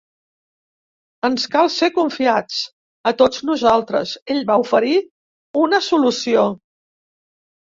Ens cal ser confiats, a tots nosaltres. Ell va oferir una solució.